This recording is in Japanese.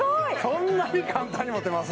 そんなに簡単に持てます？